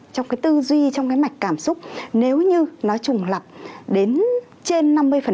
trong cái tư duy trong cái mạch cảm xúc nếu như nó trùng lập đến trên năm mươi